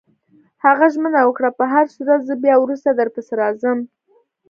هغه ژمنه وکړه: په هرصورت، زه بیا وروسته درپسې راځم.